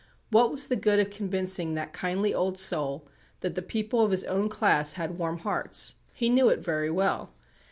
What was the good of convincing that kindly old soul that the people of his own class had warm hearts? He knew it very well.